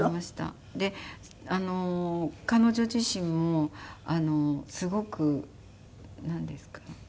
で彼女自身もすごくなんですかね。